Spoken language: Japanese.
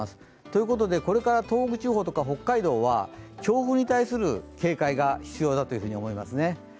ということでこれから東北地方とか北海道は強風に対する警戒が必要だというふうに思いますね。